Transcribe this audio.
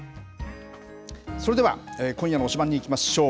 それでは、今夜の推しバン！にいきましょう。